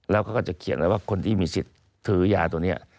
แล้วเขาก็จะเขียนไว้ว่าคนที่มีสิทธิ์ซื้อยาตัวนี้